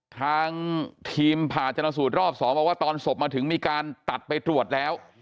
ทางทีมผ่าชนสูตรรอบ๒บอกว่าตอนศพมาถึงมีการตัดไปตรวจแล้ว